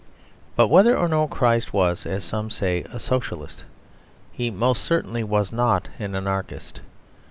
But whether or no Christ was (as some say) a Socialist, He most certainly was not an Anarchist.